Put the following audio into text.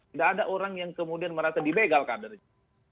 tidak ada orang yang kemudian merasa dibegal kadernya